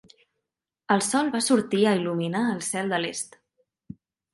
El sol va sortir a il·luminar el cel de l'est.